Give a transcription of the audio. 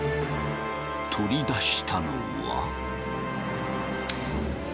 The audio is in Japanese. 取り出したのは！